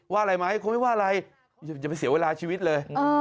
อะไรไหมคงไม่ว่าอะไรอย่าไปเสียเวลาชีวิตเลย